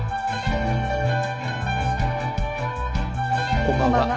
こんばんは。